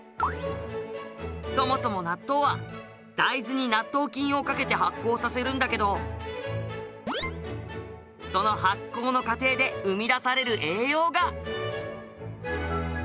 そもそも納豆は大豆に納豆菌をかけて発酵させるんだけどその発酵の過程で生み出される栄養が。